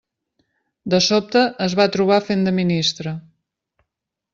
De sobte es va trobar fent de ministre.